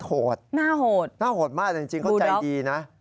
หน้าโหดบูด๊อกหน้าโหดมากจริงเขาใจดีนะ